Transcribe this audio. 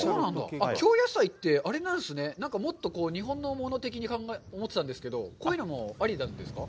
京野菜ってあれなんですね、もっと日本のもの的に思ってたんですけど、こういうのもありなんですか？